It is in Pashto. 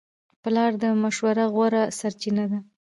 پلار د مشورې غوره سرچینه ده.